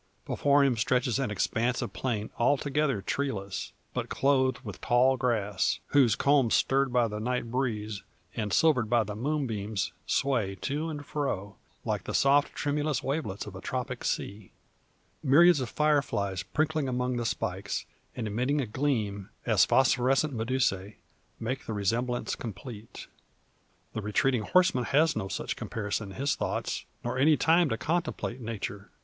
Before him stretches an expanse of plain altogether treeless, but clothed with tall grass, whose culms stirred by the night breeze, and silvered by the moonbeams, sway to and fro, like the soft tremulous wavelets of a tropic sea; myriads of fire flies prinkling among the spikes, and emitting a gleam, as phosphorescent medusae, make the resemblance complete. The retreating horseman has no such comparison in his thoughts, nor any time to contemplate Nature.